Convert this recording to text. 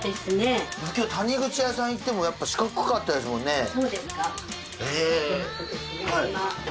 今日谷口屋さん行っても四角かったですもんね。